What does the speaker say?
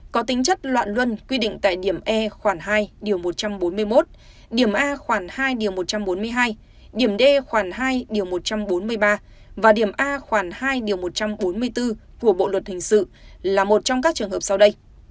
có tính chất loạn luân quy định tại điểm e khoảng hai điều một trăm bốn mươi một điểm a khoảng hai một trăm bốn mươi hai điểm d khoản hai điều một trăm bốn mươi ba và điểm a khoảng hai một trăm bốn mươi bốn của bộ luật hình sự là một trong các trường hợp sau đây